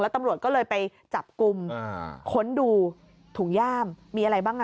ตำรวจก็เลยไปจับกลุ่มค้นดูถุงย่ามมีอะไรบ้างอ่ะ